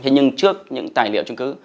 nhưng trước những tài liệu chứng cứ